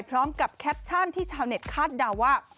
แคปชั่นที่ชาวเน็ตคาดเดาว่า